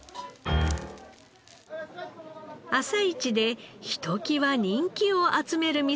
朝市でひときわ人気を集める店がこちら。